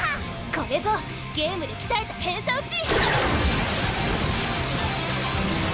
これぞゲームで鍛えた偏差撃ち！